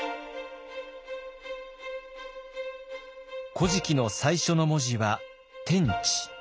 「古事記」の最初の文字は「天地」。